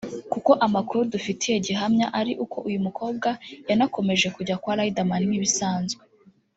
kuko amakuru dufitiye gihamya ari uko uyu mukobwa yanakomeje kujya kwa Riderman nk’ibisanzwe